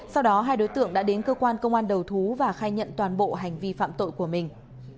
sau đó hai đối tượng đã đến cơ quan công an đầu thú và khai nhận toàn bộ hành vi phạm tội của mình